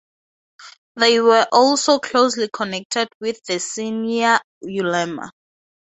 They were also closely connected with the senior ulema.